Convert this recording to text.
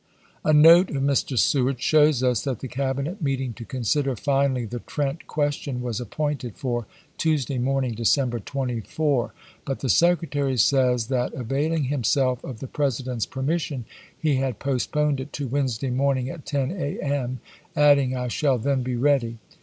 A note of Mr. Seward shows us that the Cabinet meeting to consider finally the Trent question was 1861. appointed for Tuesday morning, December 24; but the Secretary says that, availing himself of the President's permission, he had postponed it to THE "tEENT" affair 35 Wednesday morning, at 10 a. m., adding, " I shall chaf. ii. then be ready."